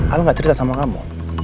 aku gak cerita sama kamu